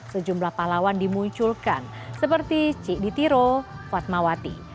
sejumlah pahlawan dimunculkan seperti cik ditiro fatmawati